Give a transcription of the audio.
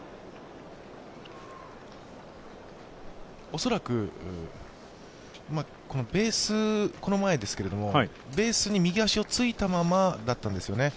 恐らく、この前ですが、ベースに右足をついたままだったんですよね。